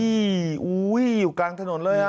โอ้โหอยู่กลางถนนเลยฮะ